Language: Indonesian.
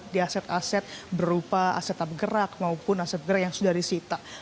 di aset aset berupa aset abgerak maupun aset gerak yang sudah disita